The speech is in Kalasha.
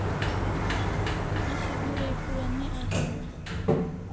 Asi durai kura ne asan e?